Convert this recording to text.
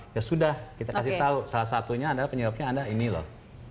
ya sudah kita kasih tahu salah satunya adalah penyebabnya anda ini loh